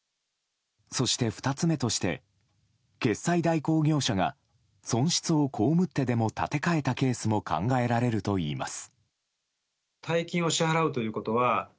そして２つ目として決済代行業者が損失を被ってでも立て替えたケースも考えられるといいます。